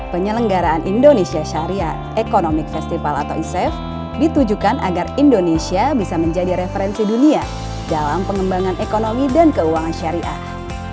penyelenggaraan indonesia syariah economic festival atau i saf ditujukan agar indonesia bisa menjadi referensi dunia dalam pengembangan ekonomi dan keuangan syariah